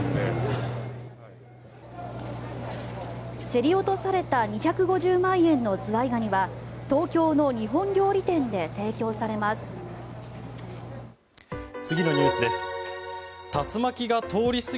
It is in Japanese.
競り落とされた２５０万円のズワイガニは東京の日本料理店で提供されます。